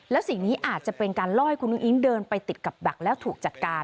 และสิ่งนี้อาจจะเป็นการล่อให้คุณอุ้งอิ๊งเดินไปติดกับแบ็คแล้วถูกจัดการ